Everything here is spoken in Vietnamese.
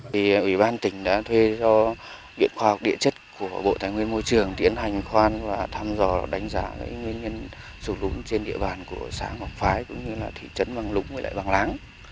đánh giá nguyên nhân sụt lốn trên địa bàn của xã ngọc phái cũng như là thị trấn vàng lũng và lại vàng láng